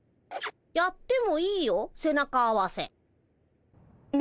やってもいいよ背中合わせ。